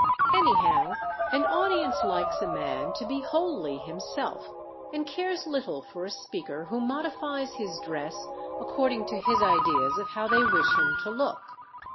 Anyhow, an audience likes a man to be wholly himself, and cares little for a speaker who modifies his dress according to his ideas of how they wish him to look.